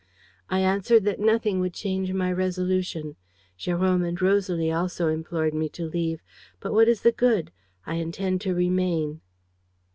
"I answered that nothing would change my resolution. Jérôme and Rosalie also implored me to leave. But what is the good? I intend to remain."